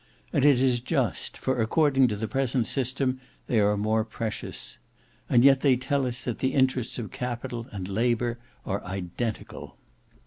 And it is just, for according to the present system they are more precious. And yet they tell us that the interests of Capital and of Labour are identical.